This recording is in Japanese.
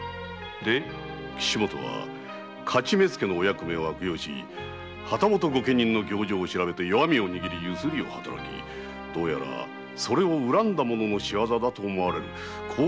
岸本は徒目付のお役目を悪用し旗本御家人の行状を調べて弱味を握り強請を働きどうやらそれを恨んだ者の仕業だと山岡殿は申されるのです。